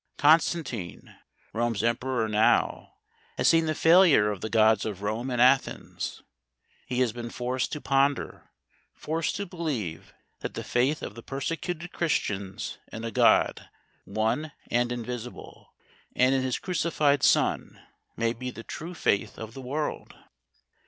Constantine, Rome's emperor now, has seen the failure of the gods of Rome and Athens. He has been forced to ponder, forced to believe that the faith of the persecuted Christians in a God, one and invisible, and in his Crucified Son, may be the true faith of the world.